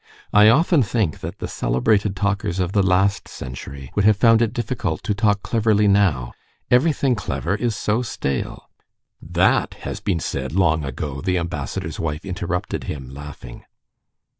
I often think that the celebrated talkers of the last century would have found it difficult to talk cleverly now. Everything clever is so stale...." "That has been said long ago," the ambassador's wife interrupted him, laughing.